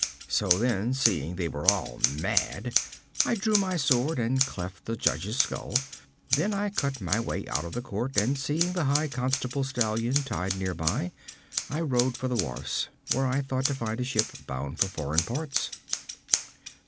So then, seeing they were all mad, I drew my sword and cleft the judge's skull; then I cut my way out of the court, and seeing the high constable's stallion tied near by, I rode for the wharfs, where I thought to find a ship bound for foreign parts.'